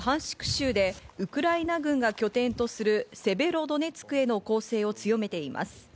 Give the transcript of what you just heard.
州でウクライナ軍が拠点とするセベロドネツクへの攻勢を強めています。